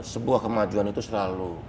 sebuah kemajuan itu selalu